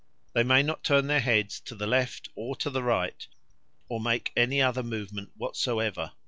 They may not turn their heads to the left or to the right or make any other movement whatsoever.